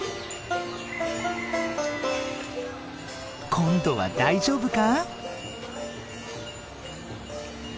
今度は大丈夫か？